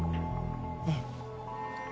ええ。